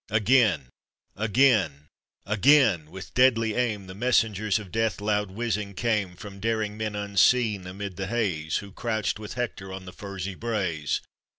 Again ! again ! again ! with deadly aim, The messengers of death loud whizzing came From daring men unseen amid the haze, "Who crouched with Hector on the furzy braes.